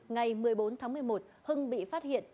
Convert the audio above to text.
ngày một mươi bốn tháng một mươi một hưng bị phát hiện